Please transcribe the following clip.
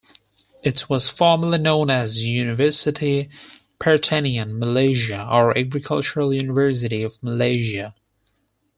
It was formerly known as Universiti Pertanian Malaysia or Agricultural University of Malaysia.